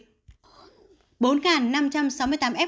bốn năm trăm sáu mươi tám f điều trị tại cơ sở y tế